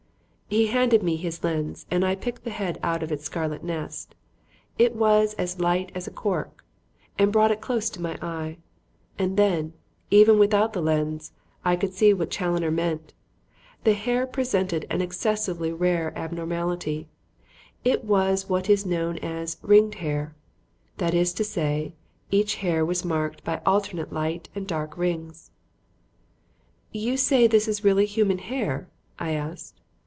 He handed me his lens and I picked the head out of its scarlet nest it was as light as a cork and brought it close to my eye. And then, even without the lens, I could see what Challoner meant. The hair presented an excessively rare abnormality; it was what is known as "ringed hair;" that is to say, each hair was marked by alternate light and dark rings. "You say this is really human hair?" I asked.